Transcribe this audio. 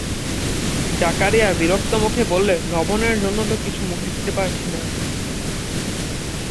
জাকারিয়া বিরক্ত মুখে বললেন, লবণের জন্যে তো কিছু মুখে দিতে পারছি না।